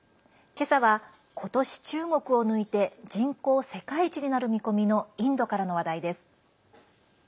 今朝は、今年中国を抜いて人口世界一になる見込みのインドからの話題です。